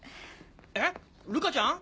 えっルカちゃん？